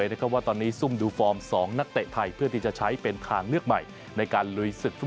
ว่าตอนนี้ซุ่มดูฟอร์ม๒นักเตะไทยเพื่อที่จะใช้เป็นทางเลือกใหม่ในการลุยศึกฟุ